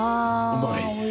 うまい？